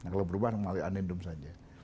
kalau berubah kembali ke adendum saja